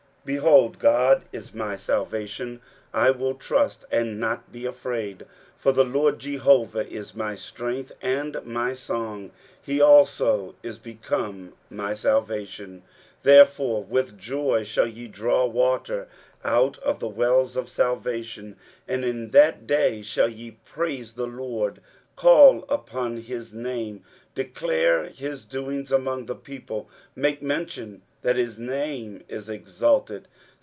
23:012:002 Behold, God is my salvation; I will trust, and not be afraid: for the LORD JEHOVAH is my strength and my song; he also is become my salvation. 23:012:003 Therefore with joy shall ye draw water out of the wells of salvation. 23:012:004 And in that day shall ye say, Praise the LORD, call upon his name, declare his doings among the people, make mention that his name is exalted.